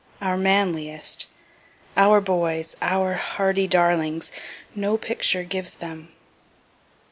Our manliest our boys our hardy darlings; no picture gives them.